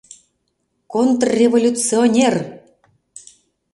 Контрреволюционер!